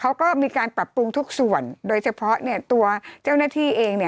เขาก็มีการปรับปรุงทุกส่วนโดยเฉพาะเนี่ยตัวเจ้าหน้าที่เองเนี่ย